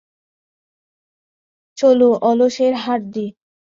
চলো, অলসের হাড্ডি।